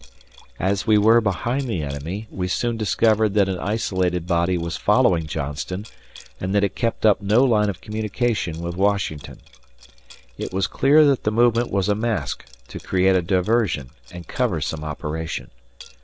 As we were behind the enemy, we soon discovered that an isolated body was following Johnston, and that it kept up no line of communication with Washington. It was clear that the movement was a mask to create a diversion and cover some operation.